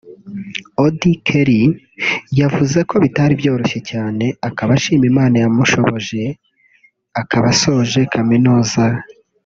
Auddy Kelly yavuze ko bitari byoroshye cyane akaba ashima Imana yamushoboje akaba asoje kaminuza